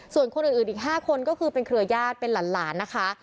ส่วนคนอื่นอีก๕คนก็คือเป็นเครือญาติเป็นหลานนะคะ